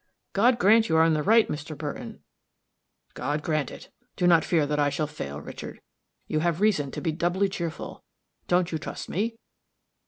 "God grant you are in the right, Mr. Burton." "God grant it. Do not fear that I shall fail, Richard. You have reason to be doubly cheerful. Don't you trust me?"